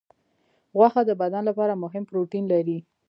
غوښه د بدن لپاره مهم پروټین لري.